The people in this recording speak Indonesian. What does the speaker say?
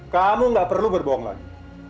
kamu gak perlu berbohong lagi